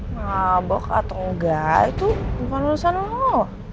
mabuk atau enggak itu bukan urusan lo